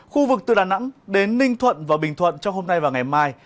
khu vực từ đà nẵng đến ninh thuận và bình thuận trong hôm nay và ngày mai